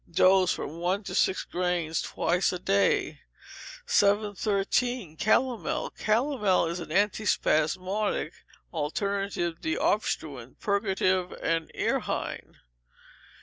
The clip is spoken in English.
Dose, from one to six grains twice a day. 713. Calomel Calomel is an antispasmodic, alterative deobstruent, purgative, and errhine.